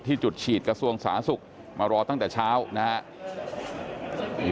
จุดฉีดกระทรวงสาธารณสุขมารอตั้งแต่เช้านะครับ